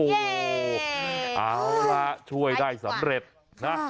เอาล่ะช่วยได้สำเร็จนะ